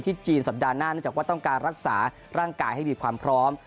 จีนสัปดาห์หน้าเนื่องจากว่าต้องการรักษาร่างกายให้มีความพร้อม